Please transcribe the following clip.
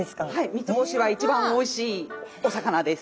三つ星は一番おいしいお魚です。